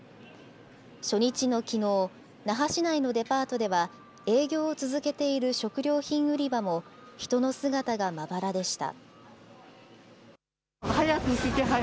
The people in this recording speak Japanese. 初日のきのう、那覇市内のデパートでは、営業を続けている食料品売り場も人の姿がまばらでした。